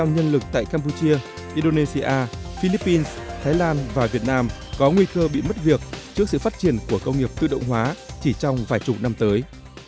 sáu mươi nhân lực tại campuchia indonesia philippines thái lan và việt nam có nguy cơ bị mất việc trước sự phát triển của công nghiệp tự động hóa chỉ trong vài chục năm tới